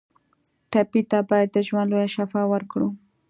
ټپي ته باید د ژوند لویه شفا ورکړو.